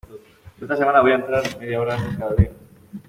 Esta semana voy a entrar media hora antes cada día.